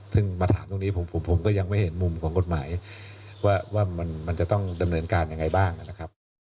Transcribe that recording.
ซึ่งมาถามตรงนี้ผมก็ยังไม่เห็นมุมของกฎหมายว่ามันจะต้องดำเนินการยังไงบ้างนะครับ